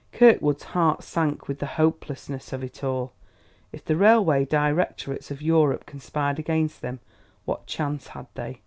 Kirkwood's heart sank with the hopelessness of it all. If the railway directorates of Europe conspired against them, what chance had they?